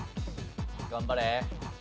頑張れ！